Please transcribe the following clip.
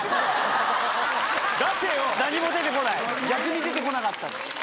逆に出て来なかった。